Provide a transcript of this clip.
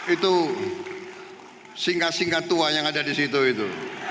itu singkat singkat tua yang ada di situ itu